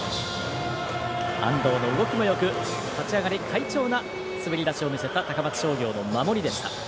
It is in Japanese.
安藤の動きもよく立ち上がり、快調な滑り出しを見せた高松商業の守りでした。